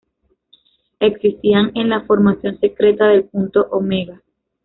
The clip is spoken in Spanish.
Existían en la formación secreta del Punto Omega.